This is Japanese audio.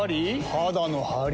肌のハリ？